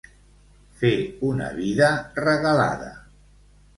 Fer una vida regalada.